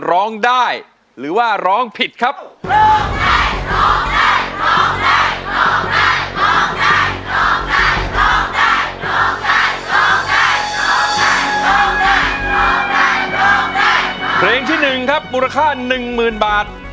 เพลงที่๑ครับมูลค่า๑๐๐๐๐บาท